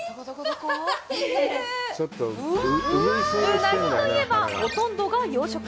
うなぎといえば、ほとんどが養殖。